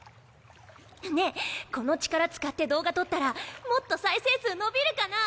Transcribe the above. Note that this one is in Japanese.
ねこの力使って動画撮ったらもっと再生数伸びるかな？